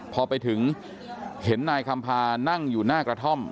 พอไปถึงเห็นนายคำพานั่งอยู่หน้ากระท่อม